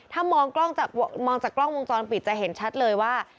ถ้ามองจากกล้องวงจรปิดจะเห็นชัดเลยว่า